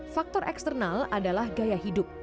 faktor eksternal adalah gaya hidup